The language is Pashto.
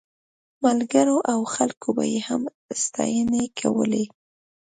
ملګرو او خلکو به یې هم ستاینې کولې.